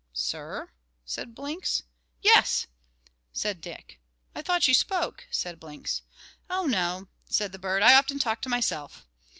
"Sir?" said Blinks. "Yes!" said Dick. "I thought you spoke," said Blinks. "Oh no," said the bird, "I often talk to myself.